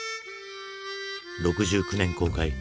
６９年公開